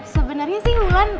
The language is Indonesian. sebenernya sih wulan